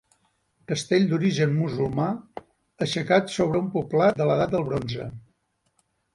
Castell d'origen musulmà, aixecat sobre un poblat de l'edat del bronze.